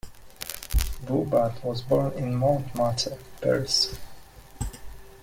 Boubat was born in Montmartre, Paris.